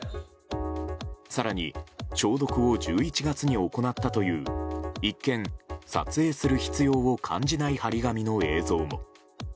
更に、消毒を１１月に行ったという一見、撮影する必要を感じない貼り紙の映像も。